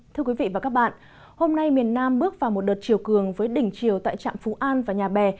thưa quý vị và các bạn hôm nay miền nam bước vào một đợt chiều cường với đỉnh chiều tại trạm phú an và nhà bè